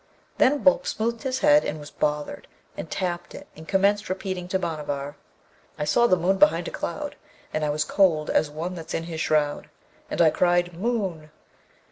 Then Boolp smoothed his head, and was bothered; and tapped it, and commenced repeating to Bhanavar: I saw the moon behind a cloud, And I was cold as one that's in his shroud: And I cried, Moon!